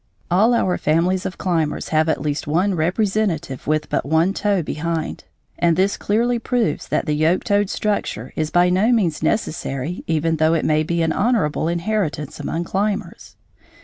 All our families of climbers have at least one representative with but one toe behind, and this clearly proves that the yoke toed structure is by no means necessary even though it may be an honorable inheritance among climbers.